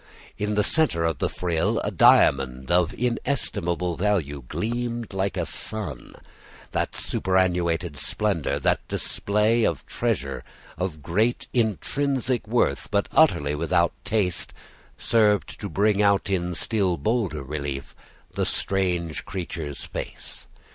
In the centre of the frill a diamond of inestimable value gleamed like a sun. That superannuated splendor, that display of treasure, of great intrinsic worth, but utterly without taste, served to bring out in still bolder relief the strange creature's face.